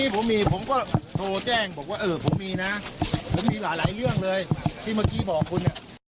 ผมมีนะผมมีหลายเรื่องเลยที่เมื่อกี้บอกคุณ